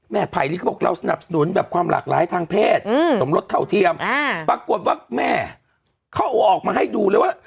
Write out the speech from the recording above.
ไผ่นี้เขาบอกเราสนับสนุนแบบความหลากหลายทางเพศสมรสเท่าเทียมปรากฏว่าแม่เขาเอาออกมาให้ดูเลยว่า